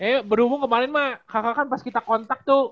eh berhubung kemaren mah kakak kan pas kita kontak tuh